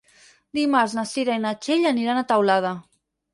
Dimarts na Cira i na Txell aniran a Teulada.